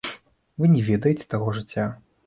Вы не ведаеце таго жыцця.